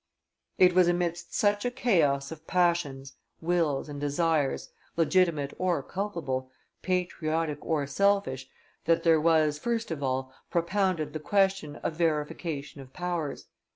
It was amidst such a chaos of passions, wills, and desires, legitimate or culpable, patriotic or selfish, that there was, first of all, propounded the question of verification of powers.